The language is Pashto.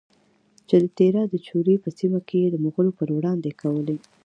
چې د تیرا د چورې په سیمه کې یې د مغولو پروړاندې کولې؛